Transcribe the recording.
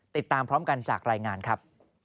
ติดตามพร้อมกันจากรายงานครับ